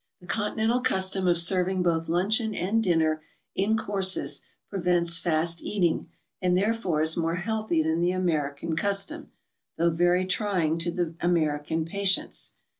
The Continental custom of serving both luncheon and dinner in courses prevents fast eating, and therefore is more healthy than the American custom, though very trying to the American patience.